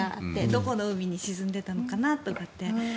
どこの海に沈んでいたのかなとかって。